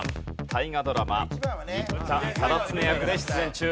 大河ドラマ仁田忠常役で出演中。